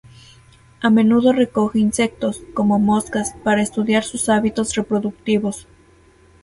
A menudo recoge insectos, como moscas, para estudiar sus hábitos reproductivos.